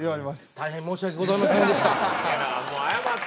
大変申し訳ございませんでした。